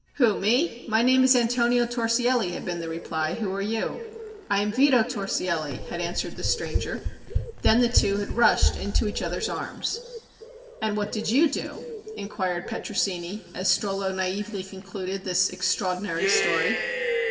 "Who? Me? My name is Antonio Torsielli," had been the reply. "Who are you?" "I am Vito Torsielli," had answered the stranger. Then the two had rushed into each other's arms. "And what did you do?" inquired Petrosini, as Strollo naïvely concluded this extraordinary story.